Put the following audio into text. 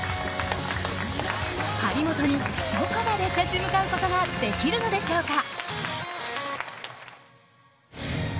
張本にどこまで立ち向かうことができるのでしょうか。